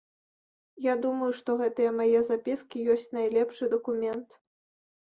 Я думаю, што гэтыя мае запіскі ёсць найлепшы дакумент.